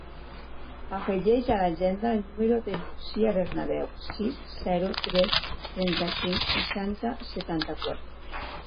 Afegeix a l'agenda el número de l'Uxia Bernabeu: sis, zero, tres, trenta-cinc, seixanta, setanta-quatre.